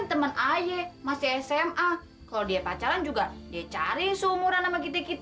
teman ayah masih sma kalau dia pacaran juga dia cari seumuran sama kita kita